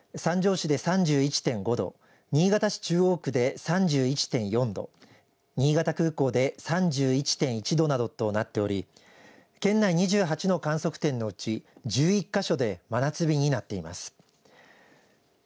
市で３１．５度新潟市中央区で３１．４度新潟空港で３１．１度などとなっており県内２８の観測点のうち１１か所で真夏日になっています。